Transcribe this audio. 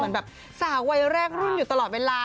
เหมือนแบบสาววัยแรกรุ่นอยู่ตลอดเวลา